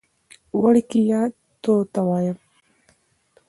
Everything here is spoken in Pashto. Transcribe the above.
وړکیه! توته یایم.